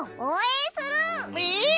えっ！